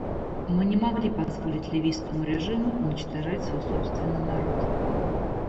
Мы не могли позволить ливийскому режиму уничтожать свой собственный народ.